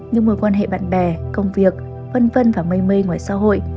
nhưng mối quan hệ bạn bè công việc vân vân và mây mây ngoài xã hội